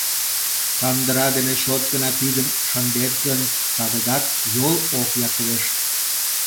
Кандыра дене чот гына пидын шындет гын, садыгак йол ок яклешт.